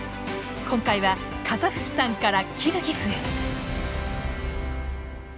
今回はカザフスタンからキルギスへ！